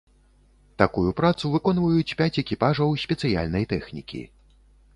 Такую працу выконваюць пяць экіпажаў спецыяльнай тэхнікі.